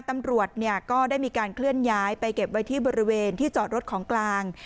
ตำรวจก็ได้มีการเคลื่อนย้ายไปเก็บไว้ที่บริเวณที่จอดรถของกลาง